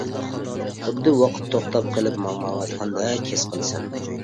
خۇددى ۋاقىت توختاپ قېلىپ ماڭمايۋاتقاندەك ھېس قىلىسەن.